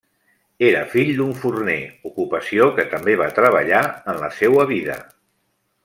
Era fill d'un forner, ocupació que també va treballar en la seua vida.